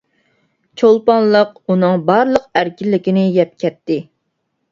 چولپانلىق ئۇنىڭ بارلىق ئەركىنلىكىنى يەپ كەتتى.